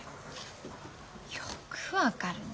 よく分かるね。